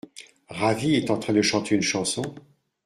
Ravi est en train de chanter une chanson ?